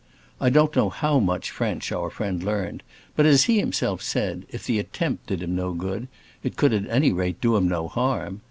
I don't know how much French our friend learned, but, as he himself said, if the attempt did him no good, it could at any rate do him no harm.